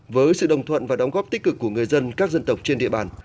với sự đồng thuận và đóng góp tích cực của người dân các dân tộc trên địa bàn